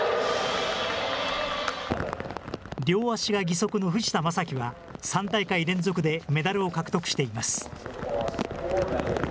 両足が義足の藤田征樹は、３大会連続でメダルを獲得しています。